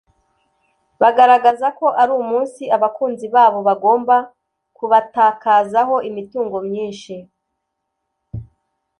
bagaragaza ko ari umunsi abakunzi babo bagomba kubatakazaho imitungo myinshi